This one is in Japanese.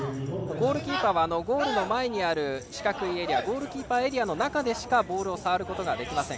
ゴールキーパーはゴールの前にある四角いエリアゴールキーパーエリアの中でしかボールを触れません。